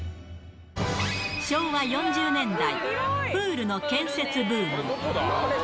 昭和４０年代、プールの建設ブームに。